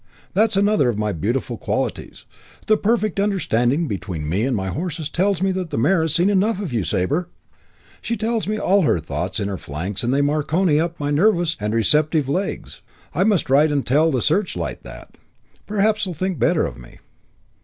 "That's another of my beautiful qualities. The perfect understanding between me and my horses tells me the mare has seen enough of you, Sabre. She tells me all her thoughts in her flanks and they Marconi up my nervous and receptive legs. I must write and tell the Searchlight that. Perhaps they'll think better of me."